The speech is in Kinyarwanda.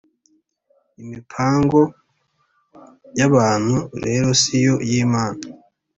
imipango y'abantu rero si yo y'imana.